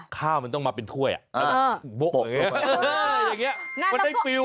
ข้าวมันต้องมาเป็นถ้วยแล้วก็โปะลงไป